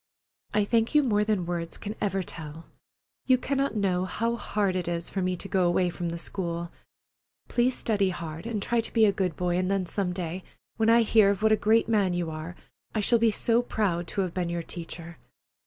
I thank you more than words can ever tell. You cannot know how hard it is for me to go away from the school. Please study hard and try to be a good boy and then some day, when I hear of what a great man you are, I shall be so proud to have been your teacher.